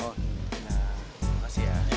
oh nah makasih ya